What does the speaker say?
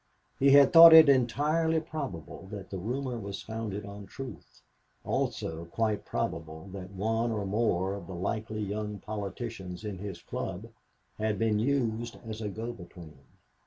He had thought it entirely probable that the rumor was founded on truth, also quite probable that one or more of the likely young politicians in his club had been used as a go between.